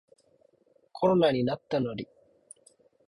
コロナになったナリ